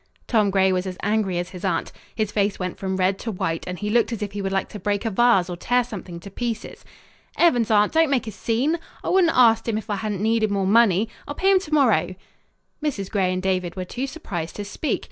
Tom Gray was as angry as his aunt. His face went from red to white, and he looked as if he would like to break a vase or tear something to pieces. "'Eavens, awnt, don't make a scene. I wouldn't a' awsked 'im, h'if I 'adn't needed more money. I'll pay him to morrow." Mrs. Gray and David were too surprised to speak.